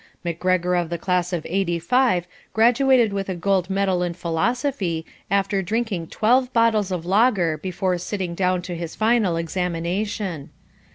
McGregor of the Class of '85 graduated with a gold medal in Philosophy after drinking twelve bottles of lager before sitting down to his final examination.